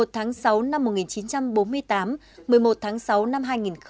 một mươi tháng sáu năm một nghìn chín trăm bốn mươi tám một mươi một tháng sáu năm hai nghìn một mươi chín